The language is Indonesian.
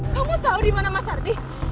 kamu tahu di mana mas ardi